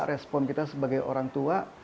respon kita sebagai orang tua